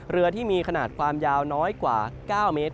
เรือที่มีขนาดความยาวน้อยกว่า๙เมตร